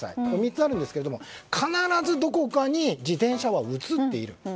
３つあるんですけども必ずどこかに自転車は映っている。